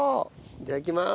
いただきます。